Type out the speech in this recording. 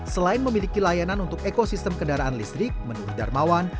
selain memiliki layanan untuk ekosistem kendaraan listrik menurut darmawan